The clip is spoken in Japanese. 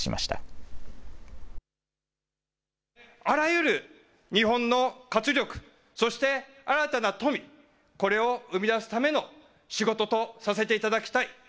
あらゆる日本の活力、そして新たな富、これを生み出すための仕事とさせていただきたい。